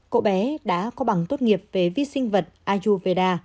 cậu bé đã có bằng tốt nghiệp về vi sinh vật ajuveda